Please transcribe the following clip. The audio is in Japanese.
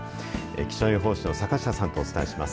気象予報士の坂下さんとお伝えします。